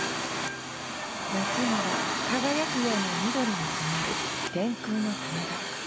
夏には輝くような緑に染まる天空の棚田。